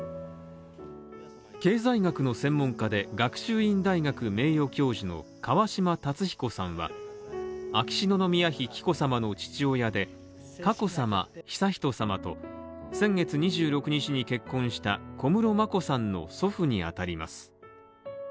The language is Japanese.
経済学の専門家で、学習院大学名誉教授の川嶋辰彦さんは秋篠宮妃紀子さまの父親で、佳子さま、悠仁さまと先月２６日に結婚した小室眞子さんの祖父にあたります。